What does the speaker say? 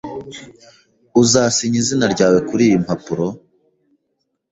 Uzasinya izina ryawe kuriyi mpapuro?